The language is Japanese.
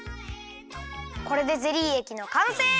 これでゼリーえきのかんせい！